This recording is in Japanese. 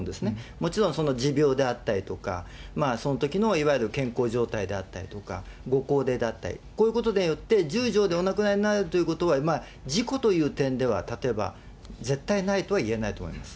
もちろん持病であったりとか、そのときのいわゆる健康状態であったりとか、ご高齢であったり、こういうことによって１０錠でお亡くなりになるということは事故という点では、例えば絶対ないとは言えないと思います。